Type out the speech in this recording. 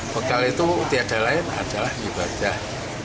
bekal itu tiada lain adalah ibadah